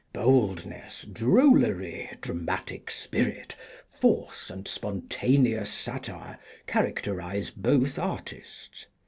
Boldness, drollery, dramatic spirit, force, and spontaneous satire characterize both artists.